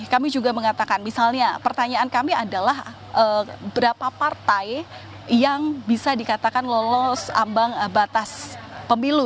kami juga mengatakan misalnya pertanyaan kami adalah berapa partai yang bisa dikatakan lolos ambang batas pemilu